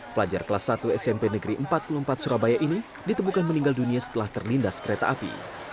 pelajar kelas satu smp negeri empat puluh empat surabaya ini ditemukan meninggal dunia setelah terlindas kereta api